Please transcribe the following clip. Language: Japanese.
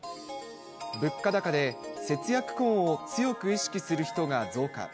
物価高で節約婚を強く意識する人が増加。